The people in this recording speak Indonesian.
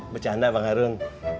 bercanda bang harun